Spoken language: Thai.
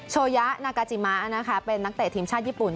โยะนากาจิมะนะคะเป็นนักเตะทีมชาติญี่ปุ่น